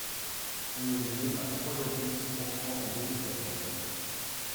et au mieux à trois virgule six pourcent en deux mille quatorze.